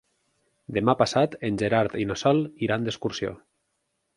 Demà passat en Gerard i na Sol iran d'excursió.